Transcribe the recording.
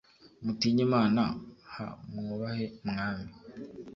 mutinye Imana h mwubahe umwami